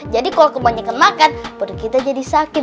jadi kalo kebanyakan makan perut kita jadi sakit